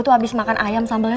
terima kasih banyak